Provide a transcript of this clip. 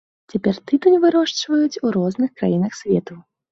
Цяпер тытунь вырошчваюць у розных краінах свету.